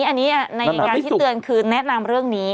อันนี้ในการที่เตือนคือแนะนำเรื่องนี้